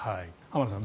浜田さん